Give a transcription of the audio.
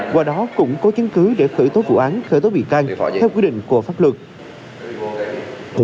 qua đó cũng có chứng cứ để khởi tố vụ án khởi tố bị can theo quyết định của pháp luật